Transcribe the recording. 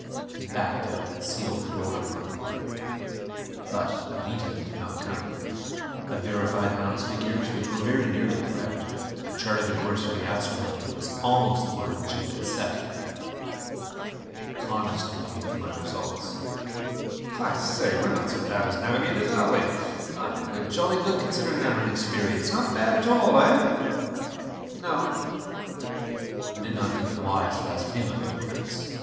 He backed out and sealed the door upon me. But Anita did not come. I verified Hahn's figures, which were very nearly correct. I charted a course for the asteroid; it was almost the one which had been set. Coniston came for my results. "I say, we are not so bad as navigators, are we? I think we're jolly good, considering our inexperience. Not bad at all, eh?" "No." I did not think it wise to ask him about Prince.